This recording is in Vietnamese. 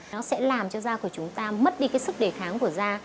nó sẽ làm cho da của chúng ta mất đi cái sức đề kháng của da